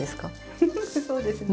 フフフそうですね。